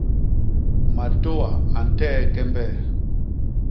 Matôa a ntee kembe.